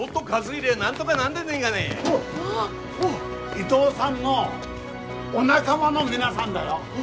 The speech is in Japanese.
伊藤さんのお仲間の皆さんだよ。